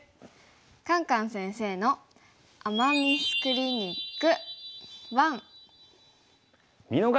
「カンカン先生の“アマ・ミス”クリニック１」。